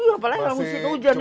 iya apalagi musim hujan ini